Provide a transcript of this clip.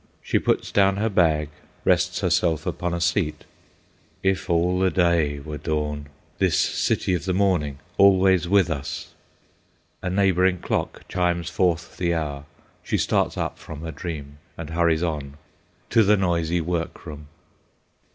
She puts down her bag, rests herself upon a seat. If all the day were dawn, this city of the morning always with us! A neighbouring clock chimes forth the hour. She starts up from her dream and hurries on—to the noisy work room.